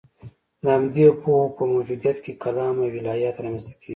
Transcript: د همدې پوهو په موجودیت کې کلام او الهیات رامنځته کېږي.